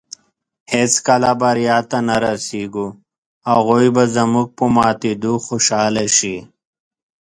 هېڅکله بریا ته نۀ رسېږو. هغوی به زموږ په ماتېدو خوشحاله شي